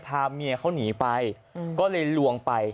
พาเมียเขาหนีไปก็เลยลวงไป